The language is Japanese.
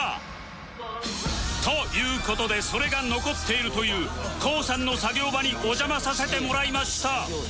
という事でそれが残っているという ＫＯＯ さんの作業場にお邪魔させてもらいました